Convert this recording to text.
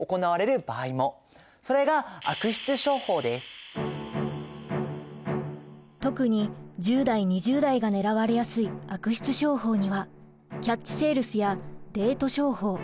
それが特に１０代２０代が狙われやすい悪質商法にはキャッチセールスやデート商法